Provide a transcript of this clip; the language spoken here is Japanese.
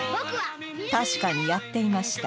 確かにやっていました